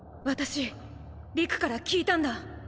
私理玖から聞いたんだ！